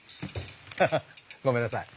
ハハッごめんなさい。